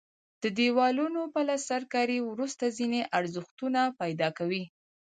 د دیوالونو پلستر کاري وروسته ځینې ارزښتونه پیدا کوي.